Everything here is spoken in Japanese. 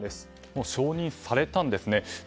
もう承認されたんですね。